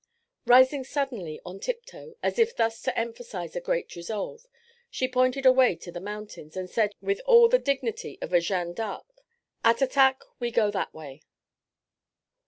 Rising suddenly on tip toe, as if thus to emphasize a great resolve, she pointed away to the mountains and said with all the dignity of a Jean d'Arc: "Attatak, we go that way."